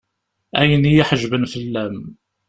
Ayen i yi-ḥejben fell-am.